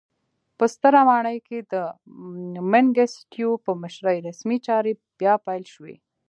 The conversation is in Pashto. په ستره ماڼۍ کې د منګیسټیو په مشرۍ رسمي چارې بیا پیل شوې.